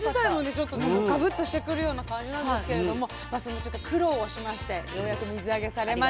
ちょっとなんかガブッとしてくるような感じなんですけれどもまあそんな苦労をしましてようやく水揚げされました